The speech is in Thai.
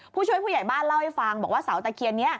ผู้ช่วยผู้ใหญ่บ้านเล่าให้ฟังบอกว่าเสาตะเคียนนี้